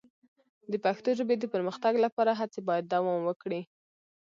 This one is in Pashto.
د پښتو ژبې د پرمختګ لپاره هڅې باید دوام وکړي.